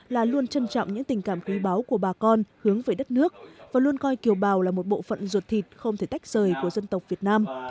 là luôn trân trọng những tình cảm quý báu của bà con hướng về đất nước và luôn coi kiều bào là một bộ phận ruột thịt không thể tách rời của dân tộc việt nam